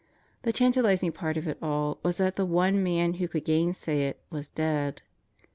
The tantalizing part of it all was that the one man who could gainsay it was dead.